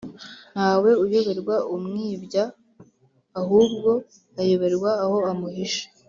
Ntawe uyoberwa umwibya, ahubwo ayoberwa aho amuhishe.